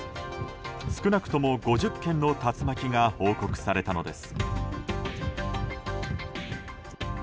少なくとも５０件の竜巻が報告されたのです。